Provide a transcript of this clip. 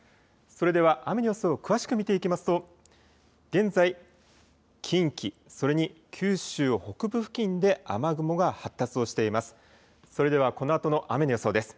それでは雨の予想を詳しく見ていきますと現在、近畿それに九州北部付近で雨雲が発達をしています。